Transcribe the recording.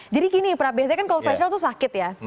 jadi gini pra biasanya kan kalau facial tuh sakit ya